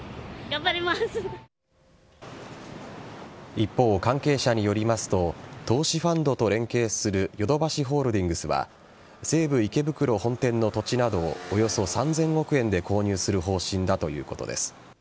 一方、関係者によりますと投資ファンドと連携するヨドバシホールディングスは西武池袋本店の土地などをおよそ３０００億円で購入する方針だということです。